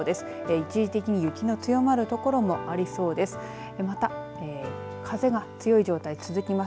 一時的に雪の強まる所もありそうです。